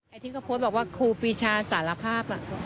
ไอ้ทิ้งกระโพสบอกว่าครูปริชาสารภาพ